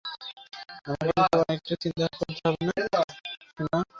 আমাকে নিয়ে তোমার একটুও চিন্তা করতে হবে না, সোনা।